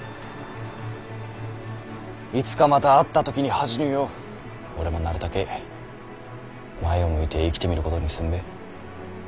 いつかまた会った時に恥じぬよう俺もなるたけ前を向いて生きてみることにすんべぇ。